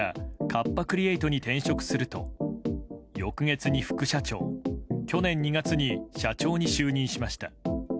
カッパ・クリエイトに転職すると翌月に副社長去年２月に社長に就任しました。